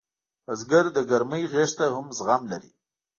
بزګر د ګرمۍ غېږ ته هم زغم لري